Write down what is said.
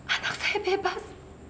anak saya bebas